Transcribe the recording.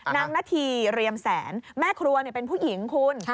นาธีเรียมแสนแม่ครัวเป็นผู้หญิงคุณ